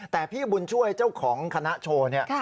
แต่พี่บุญช่วยเจ้าของคณะโชว์เนี่ย